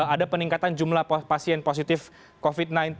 ada peningkatan jumlah pasien positif covid sembilan belas